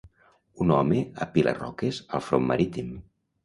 Un home apila roques al front marítim.